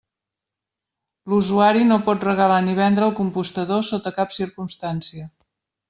L'usuari no pot regalar ni vendre el compostador sota cap circumstància.